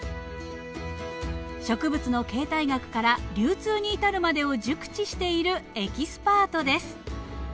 植物の形態学から流通に至るまでを熟知しているエキスパートです。